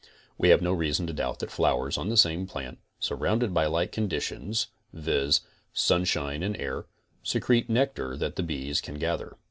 We have no reason to doubt thut flowers on the same plant, surroun ded by like conditions viz; sunshine and air, secrete nectar that the bees can gather.